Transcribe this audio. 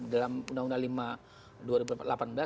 dalam undang undang lima dua ribu delapan belas